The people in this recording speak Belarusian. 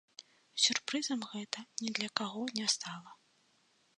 Сюрпрызам гэта ні для каго не стала.